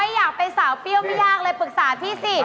อยากเป็นสาวเปรี้ยวไม่ยากเลยปรึกษาพี่สิ